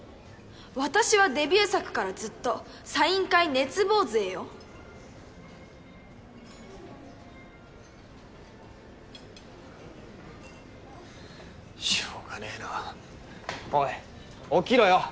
私はデビュー作からずっとサインしょうがねえなおい起きろよ